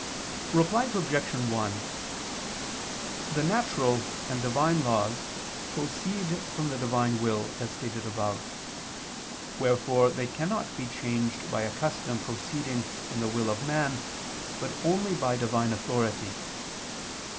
Reply Obj. 1: The natural and Divine laws proceed from the Divine will, as stated above. Wherefore they cannot be changed by a custom proceeding from the will of man, but only by Divine authority.